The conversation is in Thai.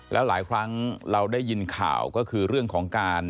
แล้วหลายครั้งเราได้ยินข่าวก็คือเรื่องของการ